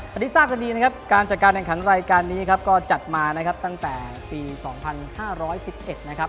ปฏิสราคดีนะครับการจัดการแข่งขันรายการนี้ครับก็จัดมานะครับตั้งแต่ปีสองพันห้าร้อยสิบเอ็ดนะครับ